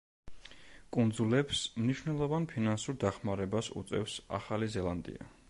კუნძულებს მნიშვნელოვან ფინანსურ დახმარებას უწევს ახალი ზელანდია.